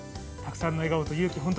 たくさんの笑顔と勇気